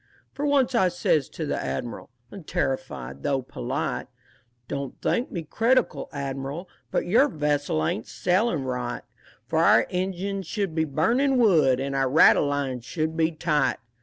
For once I says to the Admiral, Unterrified, though polite, "Don't think me critical, Admiral, But yer vessel ain't sailin' right; For our engine should be burnin' wood And our rattlelines should be tight."